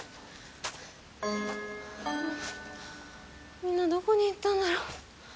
みんなどこに行ったんだろう？